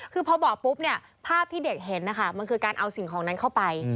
คือพอบอกปุ๊บเนี่ยภาพที่เด็กเห็นนะคะมันคือการเอาสิ่งของนั้นเข้าไป